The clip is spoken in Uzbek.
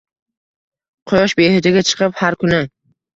Quyosh behudaga chiqib har kuni